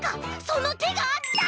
そのてがあった！